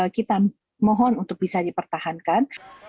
kita mohon untuk bisa dipertahankan